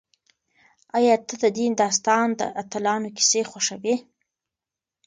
ایا ته د دې داستان د اتلانو کیسې خوښوې؟